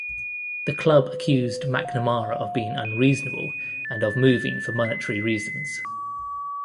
The club accused McNamara of being unreasonable and of moving for monetary reasons.